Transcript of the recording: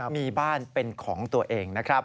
มีบ้านเป็นของตัวเอง